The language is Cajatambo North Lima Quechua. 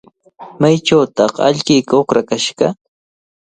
¿Maychawtaq allquyki uqrakashqa?